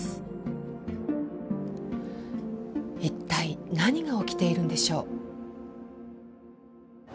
一体何が起きているんでしょう？